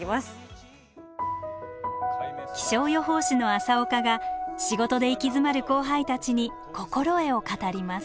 気象予報士の朝岡が仕事で行き詰まる後輩たちに心得を語ります。